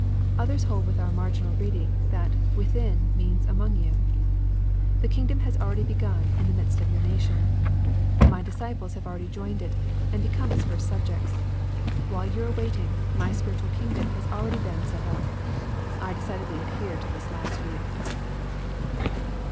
— Others hold with our marginal reading, that " within," means " among you." The kingdom haa already begun in the midst of your nation. My disciples have already joined it and become its first subjects. While you are waiting, my spiritual kingdom has already been set up. I decidedly adhere to this last view.